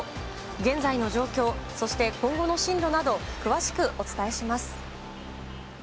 現在の状況、そして今後の進路など、詳しくお伝えします。